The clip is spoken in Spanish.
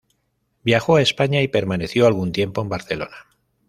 Viajó a España y permaneció algún tiempo en Barcelona.